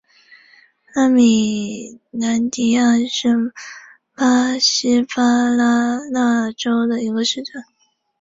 拉米兰迪亚是巴西巴拉那州的一个市镇。